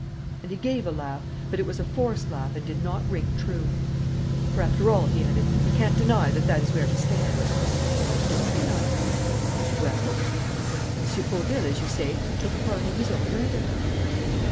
And he gave a laugh; but it was a forced laugh and did not ring true. "For, after all," he added, "you can't deny that that is where we stand." "I don't deny it." "Well?" "Well, M. Fauville, as you say, took part in his own murder."